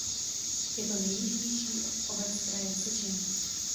Je to nejjižnější obec kraje Vysočina.